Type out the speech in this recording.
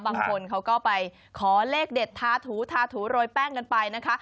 บางคนเขาก็ไปขอเลขเด็ดทาถูทาถูโรยแป้งกันไปนะคะ